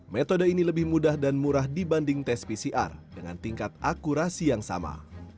metode ini lebih mudah dan murah dibanding tes pcr dengan tingkat akurasi yang sama